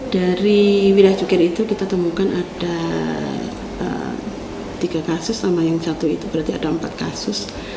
dari wilayah cukir itu kita temukan ada tiga kasus sama yang satu itu berarti ada empat kasus